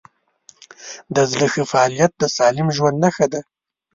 د زړه ښه فعالیت د سالم ژوند نښه ده.